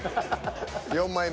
４枚目。